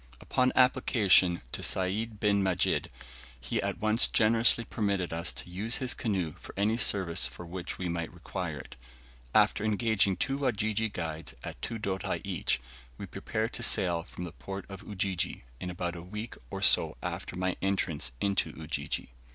Upon application to Sayd bin Majid, he at once generously permitted us to use his canoe for any service for which we might require it. After engaging two Wajiji guides at two doti each, we prepared to sail from the port of Ujiji, in about a week or so after my entrance into Ujiji.